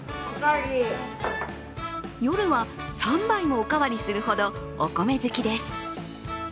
夜は３杯もお代わりするほどお米好きです。